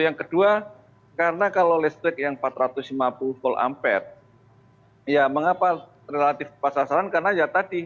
yang kedua karena kalau listrik yang empat ratus lima puluh v ampere ya mengapa relatif pasaran karena ya tadi